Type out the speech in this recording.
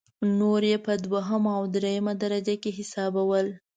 نور یې په دویمه او درېمه درجه کې حسابول.